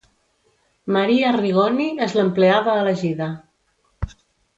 Marie Arrigoni és l'empleada elegida.